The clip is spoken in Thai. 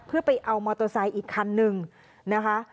เพื่อไปเอามอเตอร์ไซค์อีกคันนึงนะคะ